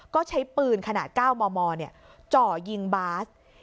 ก็ใช้ปืนขนาด๙มมจ่อยิงบาส